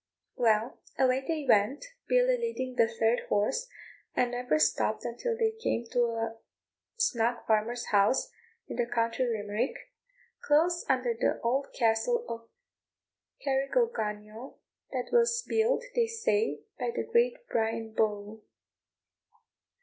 Well, away they went, Billy leading the third horse, and never stopped until they came to a snug farmer's house, in the county Limerick, close under the old castle of Carrigogunniel, that was built, they say, by the great Brian Boru.